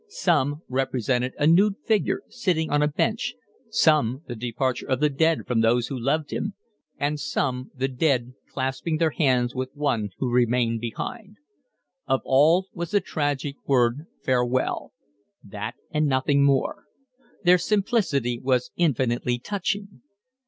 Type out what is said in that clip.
Some represented a nude figure, seated on a bench, some the departure of the dead from those who loved him, and some the dead clasping hands with one who remained behind. On all was the tragic word farewell; that and nothing more. Their simplicity was infinitely touching.